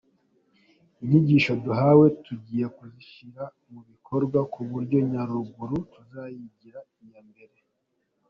Inyigisho duhawe tugiye kuzishyira mu bikorwa ku buryo Nyaruguru tuzayigira iya mbere.